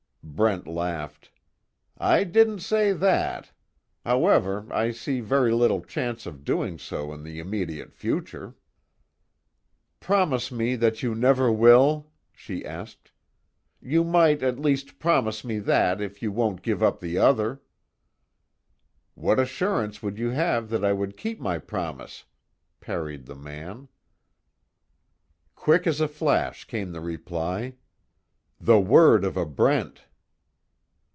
Brent laughed: "I didn't say that. However I see very little chance of doing so in the immediate future." "Promise me that you never will?" she asked, "You might, at least, promise me that, if you won't give up the other." "What assurance would you have that I would keep my promise?" parried the man. Quick as a flash came the reply, "The word of a Brent!"